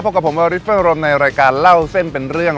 พบกับผมวัลวิฟเฟิร์นโรมในรายการเล่าเส้นเป็นเรื่อง